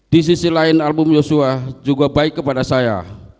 di sisi lain album yosua juga baik kepada saya